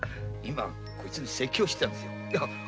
こいつに説教してたんです。